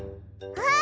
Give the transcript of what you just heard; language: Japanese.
あっ！